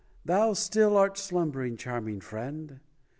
Thou still art slumbering, charming friend.